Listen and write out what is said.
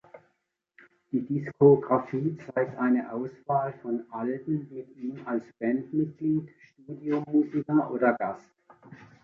Die Diskografie zeigt eine Auswahl von Alben mit ihm als Bandmitglied, Studiomusiker oder Gast.